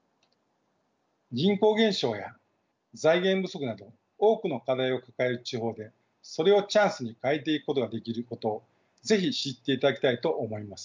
人口減少や財源不足など多くの課題を抱える地方でそれをチャンスに変えていくことができることを是非知っていただきたいと思います。